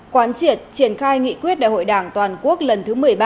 quán triệt triển khai nghị quyết đại hội đảng toàn quốc lần thứ một mươi ba